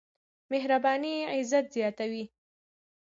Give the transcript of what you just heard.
مهرباني عزت زياتوي.